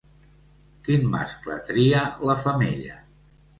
Quin mascle tria la femella?